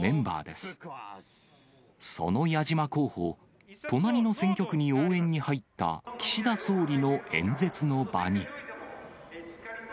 その矢島候補、隣の選挙区に応援に入った岸田総理の演説の場に。